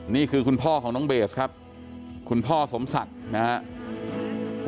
นี่คือคุณพ่อของน้องเบสครับคุณพ่อสมศักดิ์นะครับ